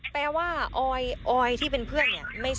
แปลว่าออยออยที่เป็นเพื่อนเนี่ย